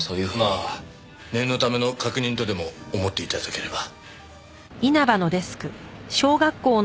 まあ念のための確認とでも思って頂ければ。